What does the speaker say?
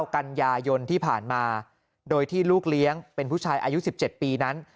กันยายนที่ผ่านมาโดยที่ลูกเลี้ยงเป็นผู้ชายอายุ๑๗ปีนั้น